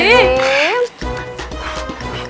mas iti mau ngasih